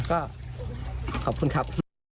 ก็ขอบคุณครับ